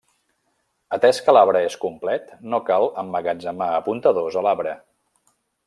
Atès que l'arbre és complet, no cal emmagatzemar apuntadors a l'arbre.